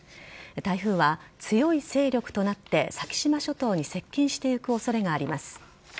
台風は強い勢力となって先島諸島に接近していく恐れがあります。